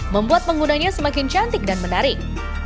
membuat penggunanya semakin cantik dan menarik